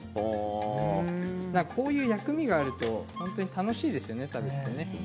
こういう薬味があると楽しいですよね、食べていて。